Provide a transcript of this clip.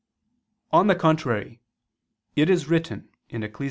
On the contrary, it is written (Ecclus.